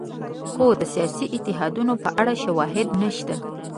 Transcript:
خو د سیاسي اتحادونو په اړه شواهد نشته.